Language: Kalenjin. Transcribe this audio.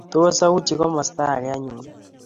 Tos auchi komasta age anyun?